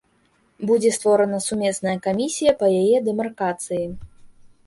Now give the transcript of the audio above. Будзе створана сумесная камісія па яе дэмаркацыі.